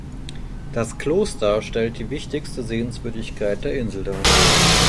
Das Kloster stellt die wichtigste Sehenswürdigkeit der Insel dar.